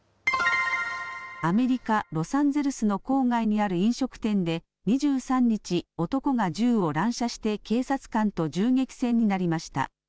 アメリカ・ロサンゼルスの郊外にある飲食店で２３日、男が銃を乱射して警察官と銃撃戦になりました。